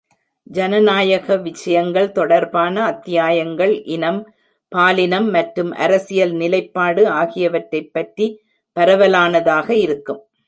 ஜனநாயக விஷயங்கள் தொடர்பான அத்தியாயங்கள் இனம், பாலினம் மற்றும் அரசியல் நிலைப்பாடு ஆகியவற்றைப் பற்றி பரவலானதாக இருக்கும்.